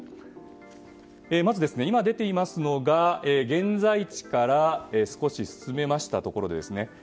まず今、出ていますのが現在地から少し進みましたところ。